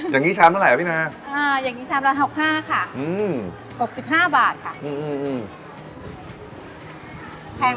อย่างงี้ชามเท่าไหร่พี่นาอ่าอย่างงี้ชามร้อนหกห้าค่ะอืมหกสิบห้าบาทค่ะอืมอืมอืม